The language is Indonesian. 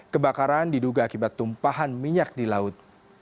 kebakaran diduga akibat tumpahan minyak di laut